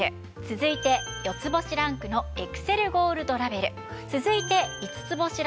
続いて５つ星ランクのロイヤルゴールドラベル。